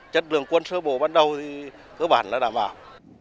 chất lượng quân sơ bổ bắt đầu thì cơ bản là đảm bảo